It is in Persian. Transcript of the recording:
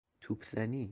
توپ زنی